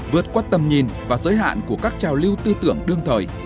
vượt qua tầm nhìn và giới hạn của các trào lưu tư tưởng đương thời